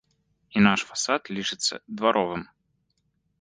І наш фасад лічыцца дваровым.